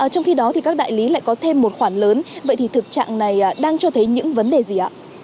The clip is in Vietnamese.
trong khi đó các đại lý lại có thêm một khoản lớn vậy thì thực trạng này đang cho thấy những vấn đề gì ạ